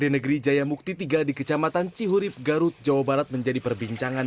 pembelian dilakukan abdul manaf selaku pembeli satu tahun belakangan